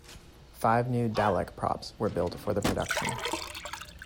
Five new Dalek props were built for the production.